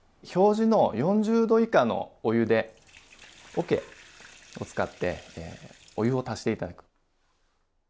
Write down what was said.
表示の４０℃以下のお湯でおけを使ってお湯を足して頂く。